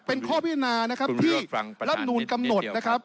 เป็นข้อพิจารณานะครับที่รัฐมนูลกำหนดนะครับ